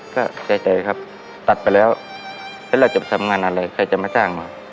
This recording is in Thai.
ก็ใจครับตัดไปแล้วแล้วเราจะไปทำงานอะไรใครจะมาจ้างเรา